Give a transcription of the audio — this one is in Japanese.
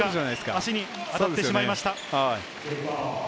足に当たってしまいました。